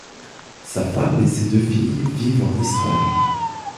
Sa femme et ses deux filles vivent en Israël.